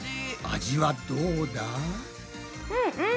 味はどうだ？